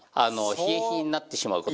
冷え冷えになってしまう事。